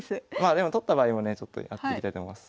でも取った場合もねやっていきたいと思います。